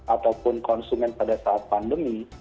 ataupun konsumen pada saat pandemi